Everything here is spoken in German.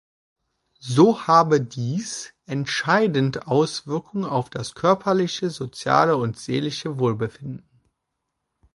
So habe dies entscheidend Auswirkungen auf das körperliche, soziale und seelische Wohlbefinden.